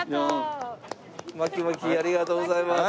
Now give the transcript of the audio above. マキマキありがとうございます。